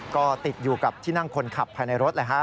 ก็ติดอยู่กับที่นั่งคนขับภายในรถเลยฮะ